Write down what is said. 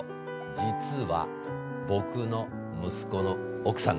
実は僕の息子の奥さんなんです！